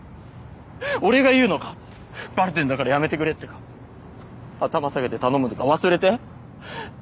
俺が言うのか「バレてんだからやめてくれ」ってか頭下げて頼むのか「忘れて」